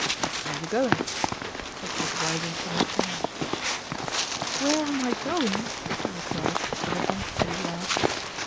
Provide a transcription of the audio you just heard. . Where are you going ?" for she was rising from her chair. " Where am I going ?" she replied, with an unsteady laugh.